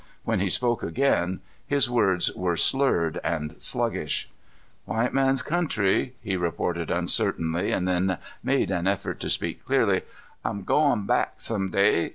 When he spoke again his words were slurred and sluggish. "White man's country," he repeated uncertainly, and then made an effort to speak clearly. "I'm goin' back some day.